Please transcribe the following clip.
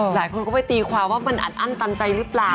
หลายคนก็ไปตีความว่ามันอัดอั้นตันใจหรือเปล่า